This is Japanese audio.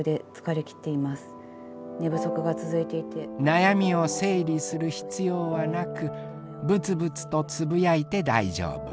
悩みを整理する必要はなくぶつぶつとつぶやいて大丈夫。